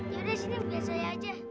yaudah sini boleh saya aja